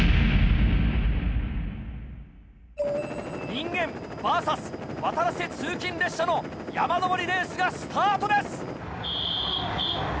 人間ｖｓわたらせ通勤列車の山登りレースがスタートです！